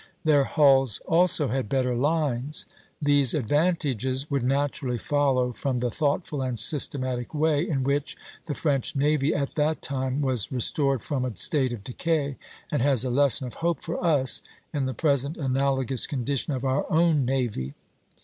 Their hulls also had better lines. These advantages would naturally follow from the thoughtful and systematic way in which the French navy at that time was restored from a state of decay, and has a lesson of hope for us in the present analogous condition of our own navy.